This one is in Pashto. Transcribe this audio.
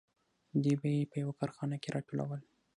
دوی به یې په یوه کارخانه کې راټولول